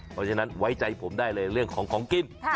เพราะฉะนั้นไว้ใจผมได้เลยเรื่องของของกิน